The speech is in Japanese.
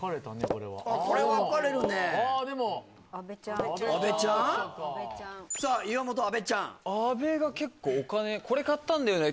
これはこれ分かれるねああでも阿部ちゃんさあ岩本阿部ちゃん阿部が結構お金「これ買ったんだよね」